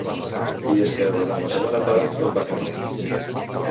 I és que, durant la segona part, tot va canviar.